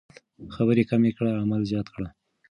خبرې کمې کړئ عمل زیات کړئ.